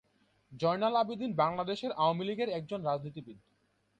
জয়নাল আবেদীন বাংলাদেশ আওয়ামীলীগের একজন রাজনীতিবিদ।